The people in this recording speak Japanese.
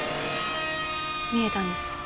見えたんです。